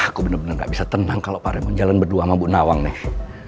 aku bener bener gak bisa tenang kalau pak remon jalan berdua sama bu nawang nih